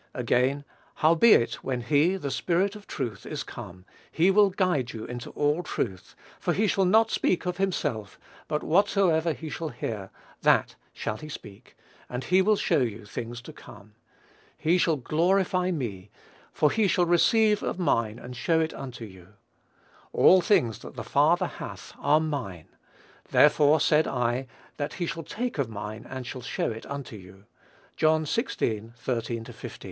Again, "Howbeit when he the Spirit of truth is come, he will guide you into all truth; for he shall not speak of himself; but whatsoever he shall hear, that shall he speak; and he will show you things to come. He shall glorify me: for he shall receive of mine and show it unto you. All things that the Father hath are mine: therefore said I, that he shall take of mine and shall show it unto you." (John xvi. 13 15.)